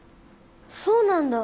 そうなんだ。